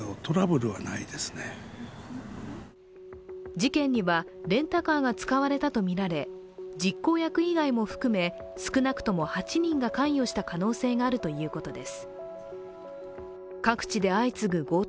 事件にはレンタカーが使われたとみられ、実行役以外も含め少なくとも８人が関与した可能性があるということです。